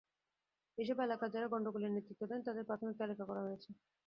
এসব এলাকায় যাঁরা গণ্ডগোলের নেতৃত্ব দেন, তাঁদের প্রাথমিক তালিকা করা হয়েছে।